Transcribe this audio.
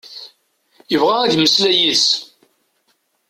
Yebɣa ad yemmeslay yid-s.